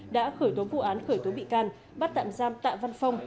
đã khởi tố vụ án khởi tố bị can bắt tạm giam tạ văn phong